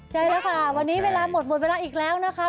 ใช่แล้วค่ะวันนี้เวลาหมดหมดเวลาอีกแล้วนะคะ